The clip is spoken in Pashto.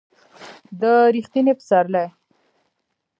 د ر یښتني پسرلي